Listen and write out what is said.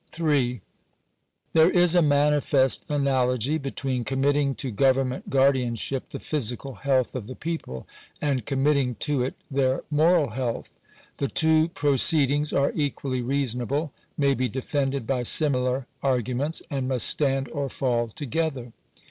§3. There is a manifest analogy between committing to govern ment guardianship the physical health of the people, and com mitting to it their moral health. The two proceedings are equally reasonable, may be defended by similar arguments, and must stand or fall together.